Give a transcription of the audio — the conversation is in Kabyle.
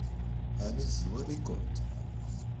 Ɛni tezwar-ikent?